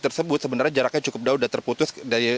tersebut sebenarnya jaraknya cukup dahudah terputus